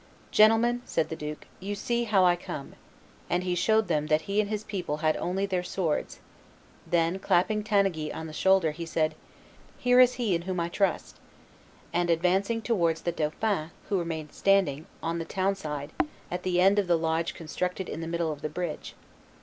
"Gentlemen," said the duke, "you see how I come;" and he showed them that he and his people had only their swords; then clapping Tanneguy on the shoulder, he said, "Here is he in whom I trust," and advanced towards the dauphin, who remained standing, on the town side, at the end of the lodge constructed in the middle of the bridge.